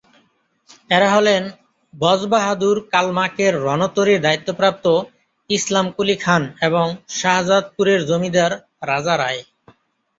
এরা হলেন বজবাহাদুর কালমাকের রণতরীর দায়িত্বপ্রাপ্ত ইসলাম কুলি খান এবং শাহজাদপুরের জমিদার রাজা রায়।